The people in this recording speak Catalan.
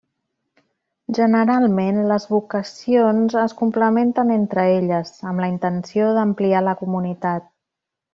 Generalment, les vocacions es complementen entre elles, amb la intenció d'ampliar la comunitat.